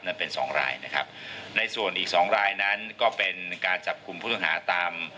นั้นเป็นสองรายนะครับในส่วนอีกสองรายนั้นก็เป็นการจับกลุ่มผู้ต้องหาตาม